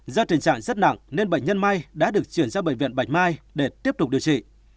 do tình trạng rất nặng nên bệnh nhân may đã được chuyển ra bệnh viện bạch mai để tiếp tục điều trị